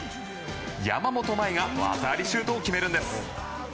山本麻衣が技ありシュートを決めるんです。